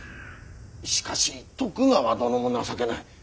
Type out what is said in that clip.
しかし徳川殿も情けない。